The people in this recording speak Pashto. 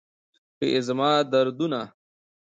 که یې زما دردونه